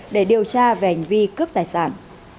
để điều tra về hành vi cướp tài sản